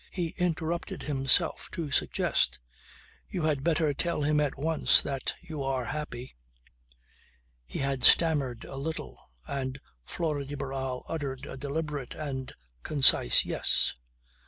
He interrupted himself to suggest: "You had better tell him at once that you are happy." He had stammered a little, and Flora de Barral uttered a deliberate and concise "Yes."